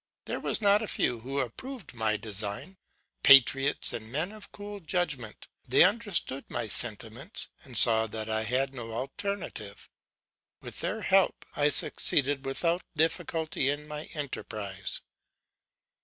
There were not a few who approved my design: patriots and men of cool judgement, they understood my sentiments, and saw that I had no alternative. With their help, I succeeded without difficulty in my enterprise.